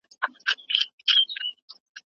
قسم د نکاح له کومو حقوقو څخه ګڼل کیږي؟